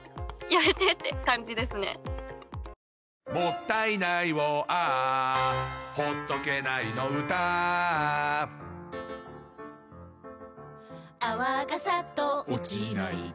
「もったいないをＡｈ」「ほっとけないの唄Ａｈ」「泡がサッと落ちないと」